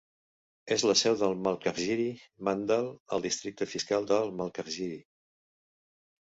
És la seu de Malkajgiri mandal al districte fiscal de Malkajgiri.